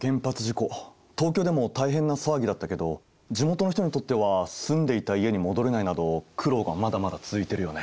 東京でも大変な騒ぎだったけど地元の人にとっては住んでいた家に戻れないなど苦労がまだまだ続いているよね。